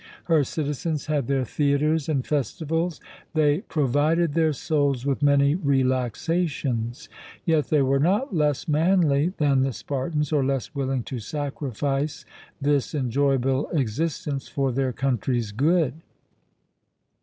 Her citizens had their theatres and festivals; they 'provided their souls with many relaxations'; yet they were not less manly than the Spartans or less willing to sacrifice this enjoyable existence for their country's good.